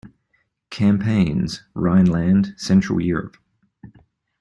Campaigns: Rhineland, Central Europe.